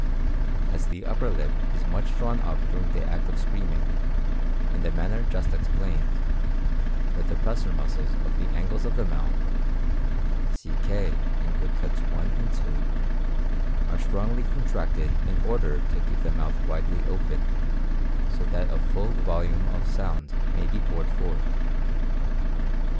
As the upper lip is much drawn up during the act of screaming, in the manner just explained, the depressor muscles of the angles of the mouth (see K in woodcuts 1 and 2) are strongly contracted in order to keep the mouth widely open, so that a full volume of sound may be poured forth.